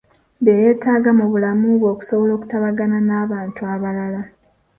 Bye yeetaaga mu bulamu bwe okusobola okutabagana n’abantu abalala.